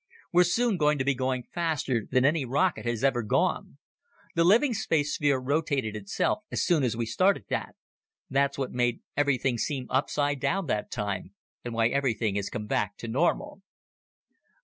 We're soon going to be going faster than any rocket has ever gone. The living space sphere rotated itself as soon as we started that. That's what made everything seem upside down that time and why everything has come back to normal."